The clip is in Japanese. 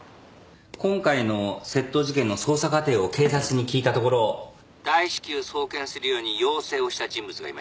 今回の窃盗事件の捜査過程を警察に聞いたところ大至急送検するように要請をした人物がいました。